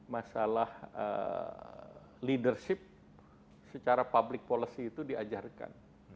masalah leadership secara public policy itu diajarkan